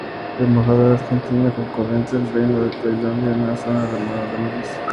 La embajadora argentina concurrente en el Reino de Tailandia es Ana Maria Ramírez.